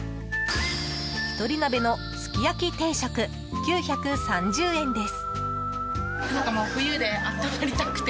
一人鍋のすき焼き定食９３０円です。